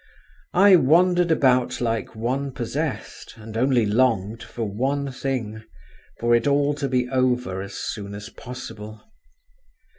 I wandered about like one possessed, and only longed for one thing, for it all to be over as soon as possible.